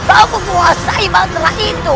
aku menguasai mantra itu